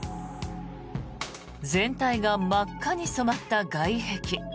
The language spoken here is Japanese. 全体が真っ赤に染まった外壁。